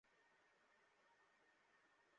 তারা ওর বাবাকেও মেরে ফেলেছে, বেচারি এখন অনাথ।